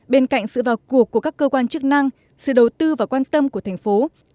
bên cạnh sự vào cuộc của các cơ quan chức năng sự đầu tư và quan tâm của thành phố